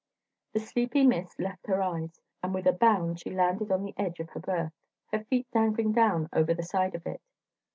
The sleepy mist left her eyes, and with a bound she landed on the edge of her berth, her feet dangling down over the side of it.